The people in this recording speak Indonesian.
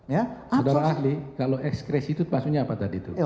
saudara ahli kalau ekskresi itu maksudnya apa tadi